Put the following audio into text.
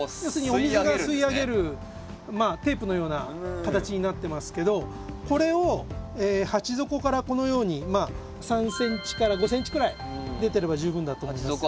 お水を吸い上げるテープのような形になってますけどこれを鉢底からこのように３ｃｍ５ｃｍくらい出てれば十分だと思います。